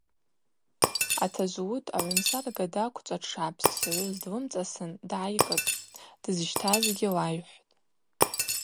Атажв-уыд агӏвымсарга даквчӏва дшгӏапссгӏуз длымцӏасын дгӏайкӏытӏ, дызщтазгьи лайхӏвтӏ.